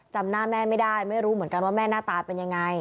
จำหน้าแม่ไม่ได้ไม่รู้เหมือนกันว่าแม่หน้าตาเป็นยังไง